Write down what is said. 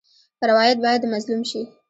روایت باید د مظلوم شي.